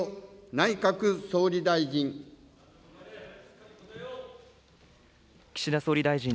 内閣総理大臣。